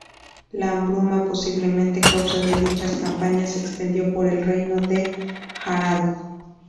La hambruna, posiblemente causa de dichas campañas, se extendió por el reino de Harald.